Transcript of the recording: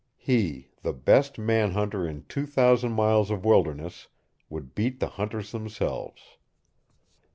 He, the best man hunter in two thousand miles of wilderness, would beat the hunters themselves.